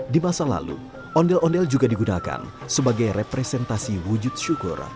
di masa lalu ondel ondel juga digunakan sebagai representasi wujud syukur